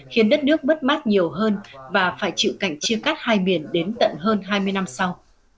khiến đất nước mất mát nhiều hơn và phải chịu cảnh chia cắt hai miền đến tận hơn hai mươi năm sau